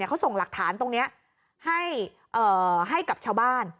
เขาส่งหลักฐานตรงนี้ให้กับชาวบ้าน